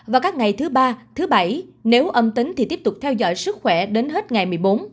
vào các ngày thứ ba thứ bảy nếu âm tính thì tiếp tục theo dõi sức khỏe đến hết ngày một mươi bốn